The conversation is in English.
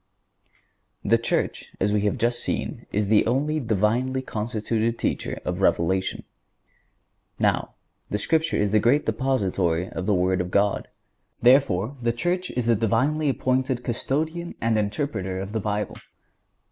The Church, as we have just seen, is the only Divinely constituted teacher of Revelation. Now, the Scripture is the great depository of the Word of God. Therefore, the Church is the divinely appointed Custodian and Interpreter of the Bible.